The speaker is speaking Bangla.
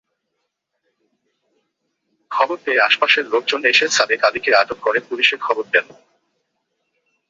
খবর পেয়ে আশপাশের লোকজন এসে সাদেক আলীকে আটক করে পুলিশে খবর দেন।